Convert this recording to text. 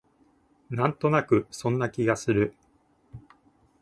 なんとなくそんな気がする